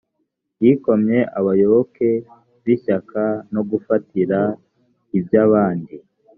yikomye abayoboke b ishyaka no gufatira iby’abandi